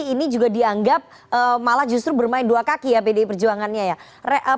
ini juga dianggap malah justru bermain dua kaki ya pdi perjuangannya ya